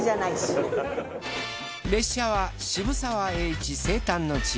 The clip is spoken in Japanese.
列車は渋沢栄一生誕の地